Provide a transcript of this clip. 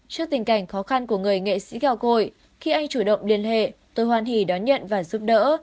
trước tình cảnh khó khăn của người nghệ sĩ gạo cội khi anh chủ động liên hệ tôi hoàn hỉ đón nhận và giúp đỡ